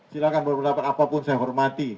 silahkan berpendapat apapun saya hormati